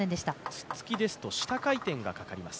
ツッツキですと、下回転がかかります。